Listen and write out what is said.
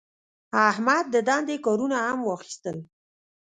احمد د دندې کارونه هم واخیستل.